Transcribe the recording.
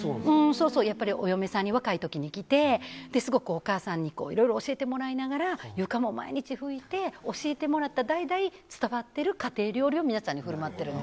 やっぱりお嫁さんに、若いときに来て、すごくお母さんにいろいろ教えてもらいながら、床も毎日ふいて、教えてもらった、代々伝わってる家庭料理を、皆さんにふるまってるの。